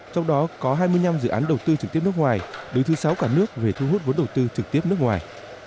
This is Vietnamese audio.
trong đó có hai mươi năm dự án đầu tư trực tiếp nước ngoài đứng thứ sáu cả nước về thu hút vốn đầu tư trực tiếp nước ngoài